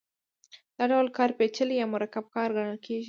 دا ډول کار پېچلی یا مرکب کار ګڼل کېږي